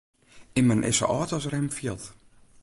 Immen is sa âld as er him fielt.